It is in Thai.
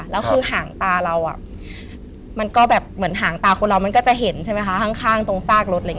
แล้วคือห่างตาเรามันก็เหมือนห่างตาคนเรามันก็จะเห็นข้างตรงซากรถ